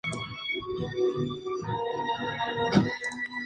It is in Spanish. Ahora reforzado, Keppel y Hodgson planearon un segundo desembarco.